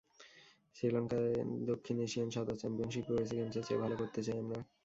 শ্রীলঙ্কায় দক্ষিণ এশিয়ান সাঁতার চ্যাম্পিয়নশিপেও এসএ গেমসের চেয়ে ভালো করতে চাই আমরা।